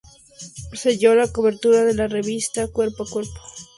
Selló la cobertura de la revista Cuerpo a Cuerpo.